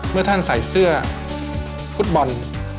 เมื่อท่านใส่เสื้อฟุตบอล